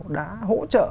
đã hỗ trợ